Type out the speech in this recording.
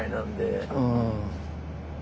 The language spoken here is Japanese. うん。